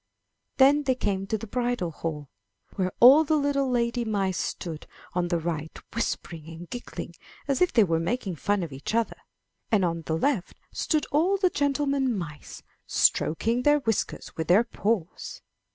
Then they came to the bridal hall, where all the little lady mice stood on the right whispering and giggling, as if they were making fun of each other, and on the left stood all the gentlemen mice stroking their whiskers with their paws.